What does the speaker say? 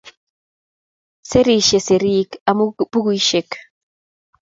Serisiei serik, amu bukuisiek